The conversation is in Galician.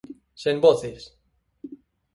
Sen voces.